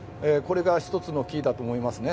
これが１つのキーだと思いますね。